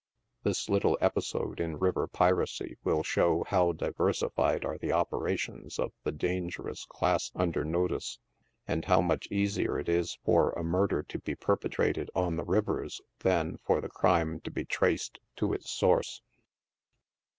This little episode in river piracy will show how diversified are the operations of the dangerous class under notice, and how much easier it is for a murder to be perpetrated on the rivers than for the crime to be traced to its source.